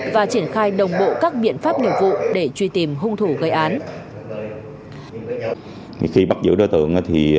và triển khai đồng bộ các biện pháp nghiệp vụ để truy tìm hung thủ gây án